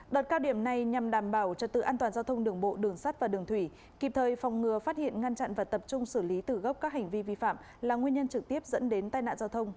đợt cao điểm này nhằm đảm bảo trật tự an toàn giao thông đường bộ đường sắt và đường thủy kịp thời phòng ngừa phát hiện ngăn chặn và tập trung xử lý từ gốc các hành vi vi phạm là nguyên nhân trực tiếp dẫn đến tai nạn giao thông